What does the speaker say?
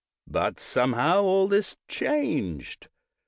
But somehow all is changed.